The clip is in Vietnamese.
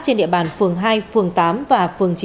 trên địa bàn phường hai phường tám và phường chín